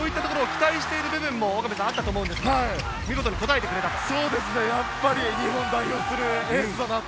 そういったところ、期待してる部分もあったと思うんですが、見事にこたえてくれたと。